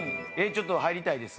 ちょっと入りたいです。